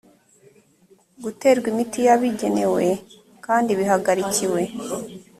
guterwa imiti yabigenewe kandi bihagarikiwe